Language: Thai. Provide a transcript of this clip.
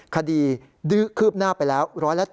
คดีดื้อคืบหน้าไปแล้ว๑๗